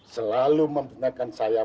selalu memperkenalkan saya